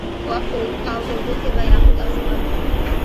او اوبو کي به یاقوت او زمرود وي